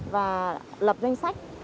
và lập danh sách